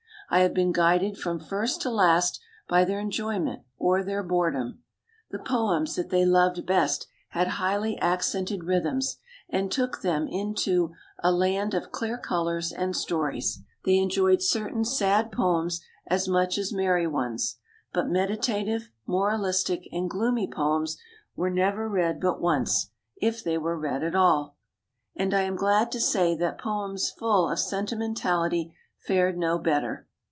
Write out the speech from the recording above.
I have been guided from first to last by their enjoyment or their bore dom. The poems that they loved best had highly accented rhythms, and took them into "a land of clear colors and stories." They enjoyed certain sad poems as much as merry ones, but meditative, moralistic and gloomy poems were never read but once, if they were read at all. And I am glad to say that poems full of sentimentality fared no better.